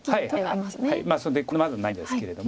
それでこれまだないんですけれども。